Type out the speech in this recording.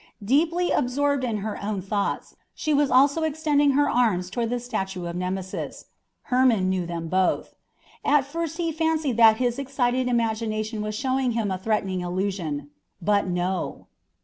Deeply absorbed in her own thoughts, she was also extending her arms toward the statue of Nemesis. Hermon knew them both. At first he fancied that his excited imagination was showing him a threatening illusion. But no!